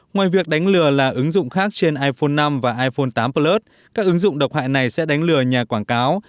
ngoài việc đánh lừa là ứng dụng khác trên iphone năm và iphone tám plus các ứng dụng độc hại này sẽ đánh lừa nhà quảng cáo